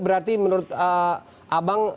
berarti menurut anda